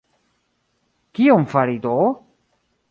Kion fari do?